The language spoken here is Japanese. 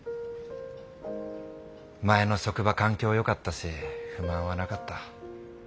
前の職場環境よかったし不満はなかった。